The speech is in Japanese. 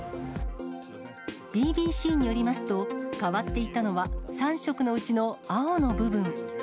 ＢＢＣによりますと、変わっていたのは３色のうちの青の部分。